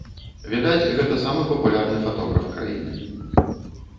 Відаць, гэта самы папулярны фатограф краіны.